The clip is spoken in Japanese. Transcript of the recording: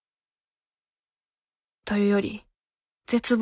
というより絶望？